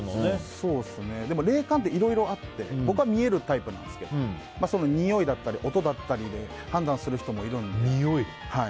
でも霊感っていろいろあって僕は見えるタイプなんですけどにおいだったり音だったりで判断する人もいるんで。